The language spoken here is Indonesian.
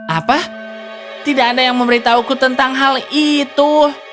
apa tidak ada yang memberitahuku tentang hal itu